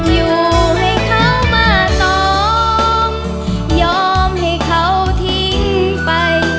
อยู่ให้เขามาซ้อมยอมให้เขาทิ้งไป